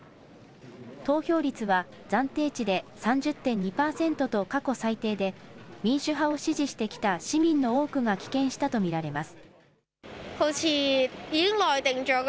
投票率は、暫定値で３０．２％と過去最低で、民主派を支持してきた市民の多くが棄権したと見られます。